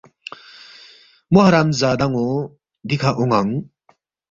مو حرام زادان٘و دِکھہ اون٘انگ